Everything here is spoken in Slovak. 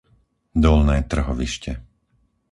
Dolné Trhovište